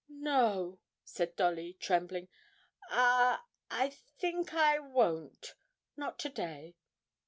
'No,' said Dolly, trembling; 'I I think I won't not to day.'